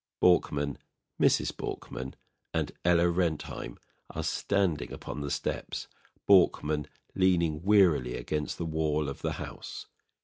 BORKMAN, MRS. BORKMAN and ELLA RENTHEIM are standing upon the steps, BORKMAN leaning wearily against the wall of the house.